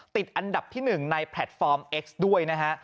ติดอันดับที่๑ในแพลตฟอร์มเอ็กซ์ด้วยนะฮะ